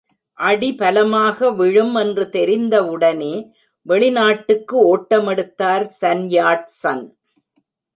அடி பலமாக விழும் என்று தெரிந்தவுடனே வெளிநாட்டுக்கு ஓட்ட மெடுத்தார் சன் யாட் சன்.